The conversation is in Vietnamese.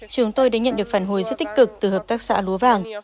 chúng tôi đã nhận được phản hồi rất tích cực từ hợp tác xã lúa vàng